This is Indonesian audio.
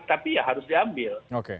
tapi ya harus diambil